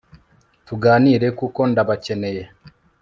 tuganire kuko ndabakeneye